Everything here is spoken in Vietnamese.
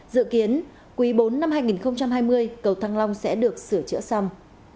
dự kiến quý bốn năm hai nghìn hai mươi cầu thăng long sẽ được sửa chữa xong